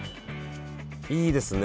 いいですね